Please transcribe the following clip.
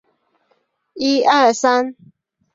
半决赛采用三番棋。